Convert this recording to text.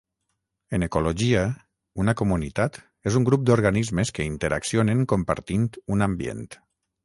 En ecologia, una comunitat és un grup d'organismes que interaccionen compartint un ambient.